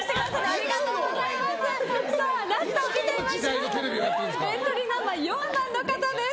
ありがとうございます。